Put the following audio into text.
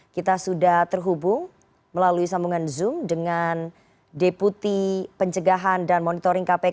kita sudah terhubung melalui sambungan zoom dengan deputi pencegahan dan monitoring kpk